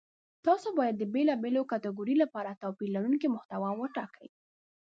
تاسو باید د بېلابېلو کتګوریو لپاره توپیر لرونکې محتوا وټاکئ.